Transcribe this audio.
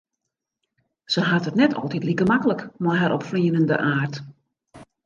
Se hat it net altyd like maklik mei har opfleanende aard.